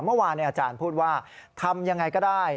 เมื่อวานอาจารย์พูดว่าทำยังไงก็ได้